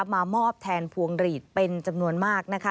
มามอบแทนพวงหลีดเป็นจำนวนมากนะคะ